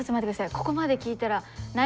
ここまで聞いたらない